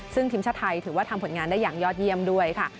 ซึ่งทีมชาติไทยถือว่าทำผลงานได้อย่างยอดเยี่ยมด้วยค่ะ